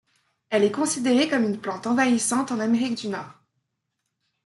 Elle est considérée comme une plante envahissante en Amérique du Nord.